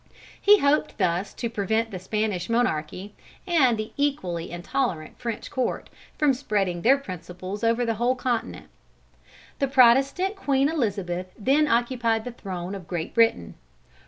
He hoped thus to prevent the Spanish monarchy, and the equally intolerant French court, from spreading their principles over the whole continent. The Protestant Queen Elizabeth then occupied the throne of Great Britain.